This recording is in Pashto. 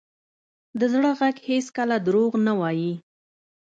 د زړه ږغ هېڅکله دروغ نه وایي.